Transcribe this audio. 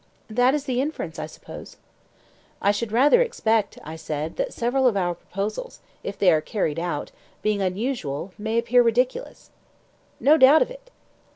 That is the inference, I suppose. I should rather expect, I said, that several of our proposals, if they are carried out, being unusual, may appear ridiculous. No doubt of it.